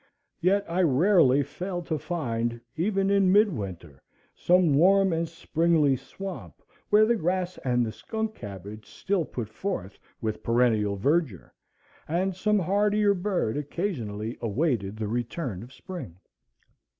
Yet I rarely failed to find, even in mid winter, some warm and springly swamp where the grass and the skunk cabbage still put forth with perennial verdure, and some hardier bird occasionally awaited the return of spring.